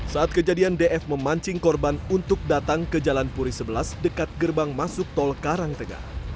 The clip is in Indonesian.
saat kejadian df memancing korban untuk datang ke jalan puri sebelas dekat gerbang masuk tol karangtega